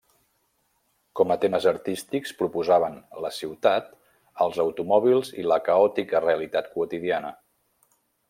Com a temes artístics proposaven la ciutat, els automòbils i la caòtica realitat quotidiana.